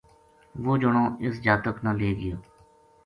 وہ جنو اس جاتک نا لے گیو